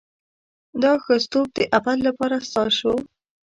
دا ښځتوب د ابد لپاره ستا شو.